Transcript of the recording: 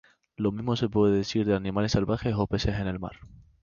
Lo mismo se puede decir de animales salvajes o peces en el mar.